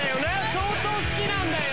相当好きなんだよ。